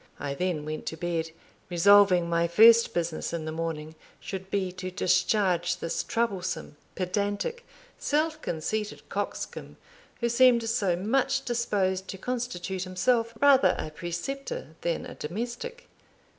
I then went to bed, resolving my first business in the morning should be to discharge this troublesome, pedantic, self conceited coxcomb, who seemed so much disposed to constitute himself rather a preceptor than a domestic.